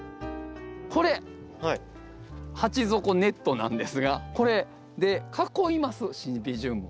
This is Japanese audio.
これ鉢底ネットなんですがこれで囲いますシンビジウムを。